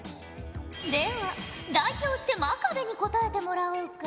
では代表して真壁に答えてもらおうか。